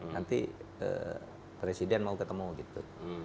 nanti presiden mau ketemu gitu